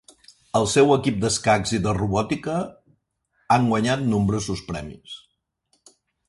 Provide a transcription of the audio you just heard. El seu equip d'escacs i de robòtica han guanyat nombrosos premis.